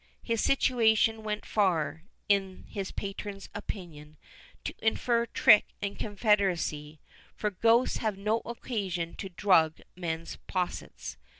His situation went far, in his patron's opinion, to infer trick and confederacy, for ghosts have no occasion to drug men's possets.